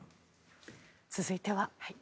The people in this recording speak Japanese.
続いては。